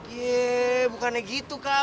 yee bukannya gitu kah